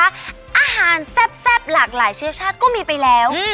อาหารแซ่บหลากหลายเชื้อชาติก็มีไปแล้ว